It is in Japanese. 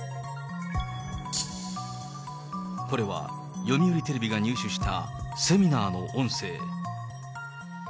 これは読売テレビが入手したセミナーの音声。